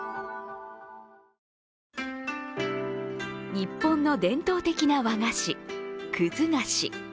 日本の伝統的な和菓子葛菓子。